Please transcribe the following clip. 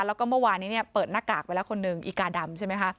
แล้วก็เมื่อวานนี้เนี่ยเปิดหน้ากากไปแล้วคนหนึ่งอีกาดำใช่ไหมคะ